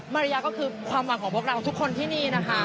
มาริยาก็คือความหวังของพวกเราทุกคนที่นี่นะคะ